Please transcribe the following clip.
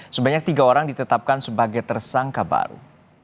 sebanyak tiga orang ditetapkan sebagai tersangka baru